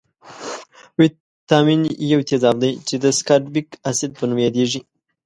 ویتامین یو تیزاب دی چې د سکاربیک اسید په نوم یادیږي.